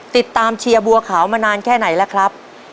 ติดตามเชียวบัวขาวมานานแค่ไหนแล้วครับ